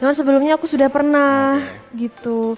cuma sebelumnya aku sudah pernah gitu